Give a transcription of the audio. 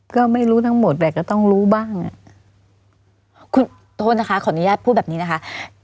ก็ไม่รู้ทั้งหมดแต่ก็ต้องรู้บ้างคุณโทษนะคะขออนุญาตพูดแบบนี้นะคะ